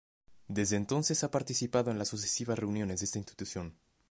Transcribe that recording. Desde entonces, ha participado en las sucesivas reuniones de esta institución.